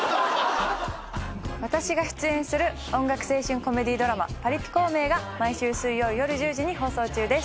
私が出演する音楽青春コメディードラマ『パリピ孔明』が毎週水曜夜１０時に放送中です。